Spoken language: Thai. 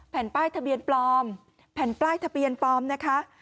แผ่นป้ายทะเบียนปลอมแผ่นป้ายทะเบียนปลอมนะคะ